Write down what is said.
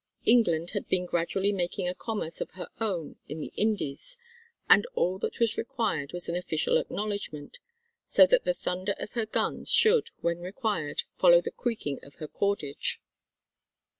England had been gradually making a commerce of her own in the Indies, and all that was required was an official acknowledgment, so that the thunder of her guns should, when required, follow the creaking of her cordage.